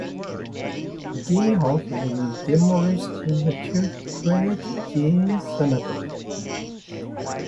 Dean House was demolished to create Dean Cemetery.